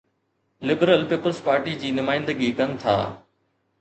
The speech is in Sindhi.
لبرل پيپلز پارٽي جي نمائندگي ڪن ٿا.